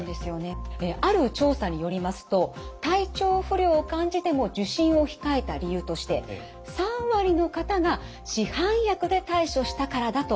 ある調査によりますと体調不良を感じても受診を控えた理由として３割の方が「市販薬で対処したから」だと答えています。